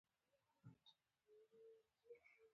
جبار خان اوس غلی ناست و، سم ښکارېده.